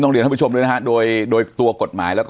ต้องเดี๋ยวท่านผู้ชมเลยนะฮะโดยโดยตัวกฎหมายแล้วก็